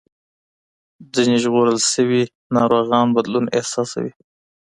ځینې ژغورل شوي ناروغان بدلون احساسوي.